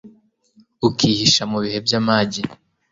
ukihisha mu bihe by'amage